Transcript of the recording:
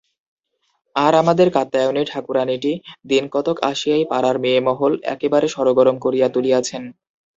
আর আমাদের কাত্যায়নী ঠাকুরানীটি দিন কতক আসিয়াই পাড়ার মেয়েমহল একেবারে সরগরম করিয়া তুলিয়াছেন।